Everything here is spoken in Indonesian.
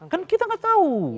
kan kita gak tahu